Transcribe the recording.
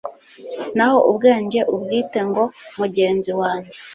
naho ubwenge ubwite ngo mugenzi wanjye